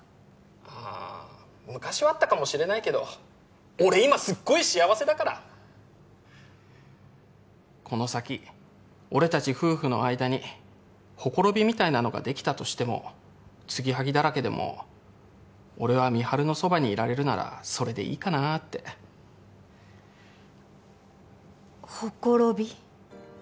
ああ昔はあったかもしれないけど俺今すっごい幸せだからこの先俺達夫婦の間にほころびみたいなのができたとしてもつぎはぎだらけでも俺は美晴のそばにいられるならそれでいいかなってほころび？